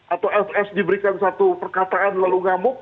atau fs diberikan satu perkataan lalu ngamuk